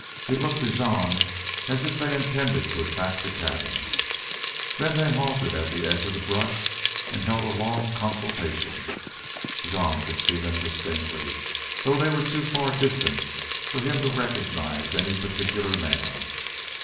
It looked to Jean as if they intended to attack the cabins. Then they halted at the edge of the brush and held a long consultation. Jean could see them distinctly, though they were too far distant for him to recognize any particular man.